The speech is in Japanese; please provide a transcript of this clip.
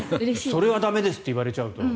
それは駄目ですと言われちゃうと。